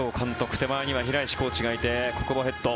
手前には平石コーチがいて小久保ヘッド